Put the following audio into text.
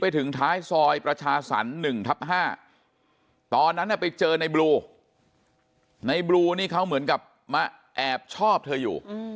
ตอนนั้นไปเจอในบลูในบลูนี่เขาเหมือนกับมาแอบชอบเธออยู่